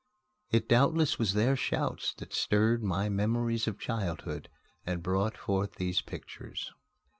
It doubtless was their shouts that stirred my memories of childhood and brought forth these pictures.